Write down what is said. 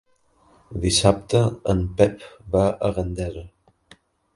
Dissabte en Pep va a Gandesa.